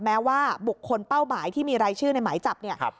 แม้ว่าบุคคลเป้าหมายที่มีรายชื่อในหมายจับเนี่ย